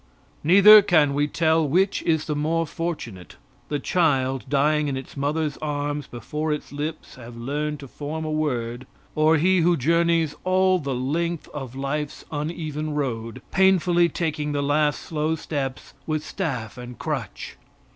Neither can we tell which is the more fortunate, the child dying in its mother's arms before its lips have learned to form a word, or he who journeys all the length of life's uneven road, painfully taking the last slow steps with staff and crutch.